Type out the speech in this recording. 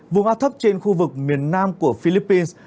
vùng áp thấp trên khu vực miền nam của philippines